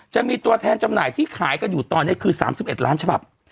จะมีตัวแทนจำหน่ายที่ขายกันอยู่ตอนนี้คือ๓๑ล้านฉบับ